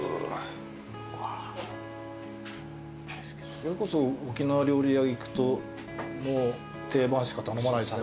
それこそ沖縄料理屋行くともう定番しか頼まないっすね